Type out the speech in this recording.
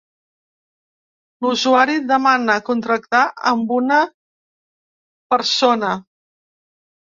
L'usuari demana contactar amb una persona.